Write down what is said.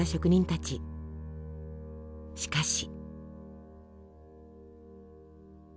しかし。